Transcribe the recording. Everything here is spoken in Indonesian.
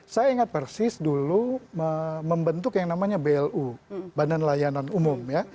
saya ingat persis dulu membentuk yang namanya blu badan layanan umum ya